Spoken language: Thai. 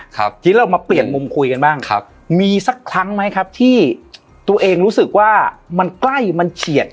ทีนี้เรามาเปลี่ยนมุมคุยกันบ้างครับมีสักครั้งไหมครับที่ตัวเองรู้สึกว่ามันใกล้มันเฉียด